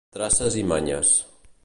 Traces i manyes.